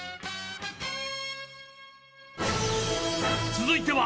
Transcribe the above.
［続いては］